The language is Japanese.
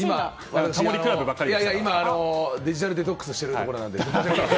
今、デジタルデトックスしてるところなんで。